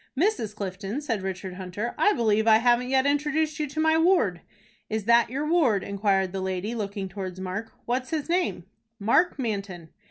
"Mrs. Clifton," said Richard Hunter, "I believe I haven't yet introduced you to my ward." "Is that your ward?" inquired the lady, looking towards Mark. "What is his name?" "Mark Manton."